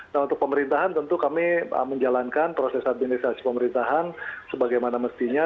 nah untuk pemerintahan tentu kami menjalankan proses administrasi pemerintahan sebagaimana mestinya